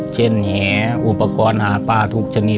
แหอุปกรณ์หาปลาทุกชนิด